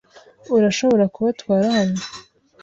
Urashobora kubatwara hano?